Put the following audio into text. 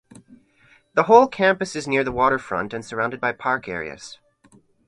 The whole campus is near the waterfront and surrounded by park areas.